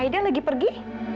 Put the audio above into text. aida lagi pergi